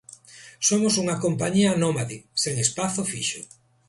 Somos unha compañía nómade, sen espazo fixo.